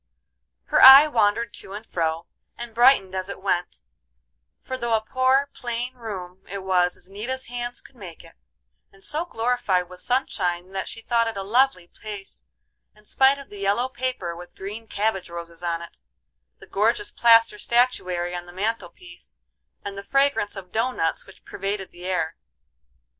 Her eye wandered to and fro, and brightened as it went; for though a poor, plain room it was as neat as hands could make it, and so glorified with sunshine that she thought it a lovely place, in spite of the yellow paper with green cabbage roses on it, the gorgeous plaster statuary on the mantel piece, and the fragrance of dough nuts which pervaded the air.